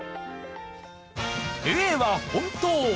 Ａは本当。